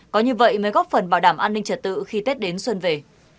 có như vậy mới góp phần bảo đảm an ninh trật tự khi tết đến xuân về